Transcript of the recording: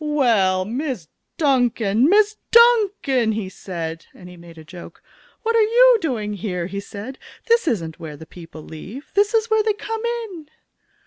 "Well, Miss Duncan! Miss Duncan!" he said, and he made a joke. "What are you doing here?" he said. "This isn't where the people leave. This is where they come in!"